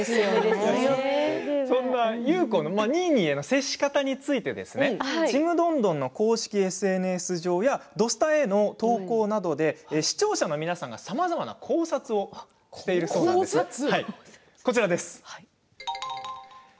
そんな優子のニーニーへの接し方について「ちむどんどん」の公式ＳＮＳ上「土スタ」のホームページなどで視聴者の皆さんがさまざまな考察をしているようです。などなど。